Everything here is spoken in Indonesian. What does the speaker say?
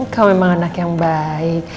kau memang anak yang baik